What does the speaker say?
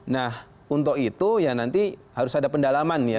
nah untuk itu ya nanti harus ada pendalaman ya